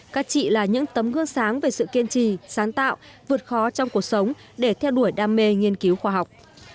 các chị là những tấm gương sáng về sự kiên trì sáng tạo vượt khó trong cuộc sống để theo đuổi đam mê nghiên cứu khoa học